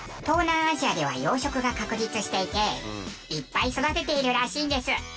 東南アジアでは養殖が確立していていっぱい育てているらしいんです。